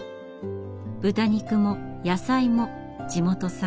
豚肉も野菜も地元産。